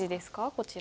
こちら。